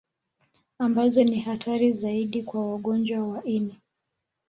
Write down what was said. Ambazo ni hatari zaidi kwa wagonjwa wa ini